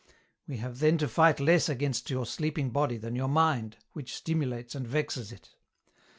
We have then to fight less against your sleeping body than your imind, which stimulates and vexes it.